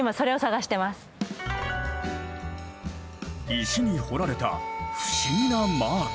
石に彫られた不思議なマーク。